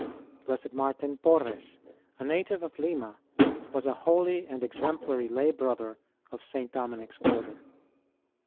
Blessed Martin Porres, a native of Lima, was a holy and exemplary lay brother of St. Dominic s order.